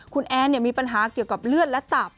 คุณแอนมีปัญหาเกี่ยวกับเลือดและตับ